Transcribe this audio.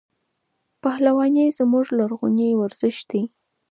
پهلواني زموږ لرغونی ورزش دی.